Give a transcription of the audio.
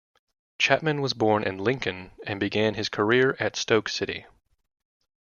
Chapman was born in Lincoln and began his career at Stoke City.